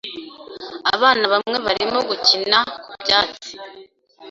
Abana bamwe barimo gukina ku byatsi.